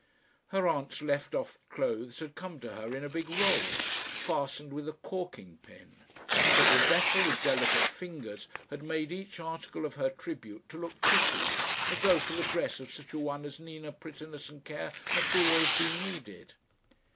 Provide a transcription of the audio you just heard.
Her aunt's left off clothes had come to her in a big roll, fastened with a corking pin. But Rebecca, with delicate fingers, had made each article of her tribute to look pretty, as though for the dress of such a one as Nina prettiness and care must always be needed.